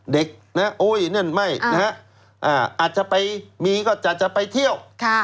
เด็กอาจจะไปเที่ยว